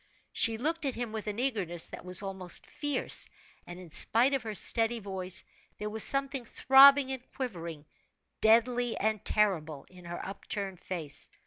She looked at him with an eagerness that was almost fierce; and in spite of her steady voice, there was something throbbing and quivering, deadly and terrible, in her upturned face.